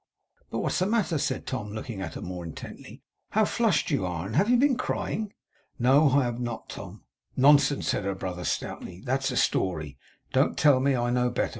But what's the matter?' said Tom, looking at her more intently, 'how flushed you are! and you have been crying.' 'No, I have not, Tom.' 'Nonsense,' said her brother stoutly. 'That's a story. Don't tell me! I know better.